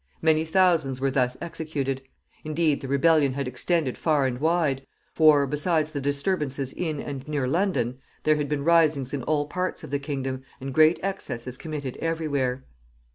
Many thousands were thus executed. Indeed, the rebellion had extended far and wide; for, besides the disturbances in and near London, there had been risings in all parts of the kingdom, and great excesses committed every where.